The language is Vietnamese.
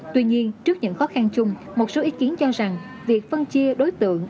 tuy nhiên trước những khó khăn chung một số ý kiến cho rằng việc phân chia đối tượng